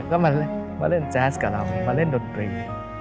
ก็มาเล่นแจ๊สกับเรามาเล่นดนตรี